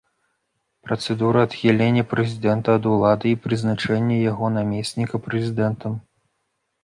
Працэдура адхілення прэзідэнта ад улады і прызначэння яго намесніка прэзідэнтам.